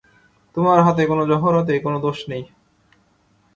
তোমার হাতে কোনো জহরতে কোনো দোষ নেই।